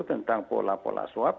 tentang pola pola suap